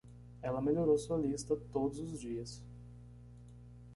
Ela melhorou sua lista todos os dias.